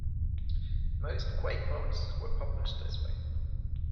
Most "Quake" mods were published this way.